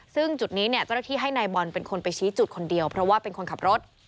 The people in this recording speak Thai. ซึ่งจุดนี้เนี่ยเจ้าหน้าที่ให้นายบอลเป็นคนไปชี้จุดคนเดียวเพราะว่าเป็นคนขับรถ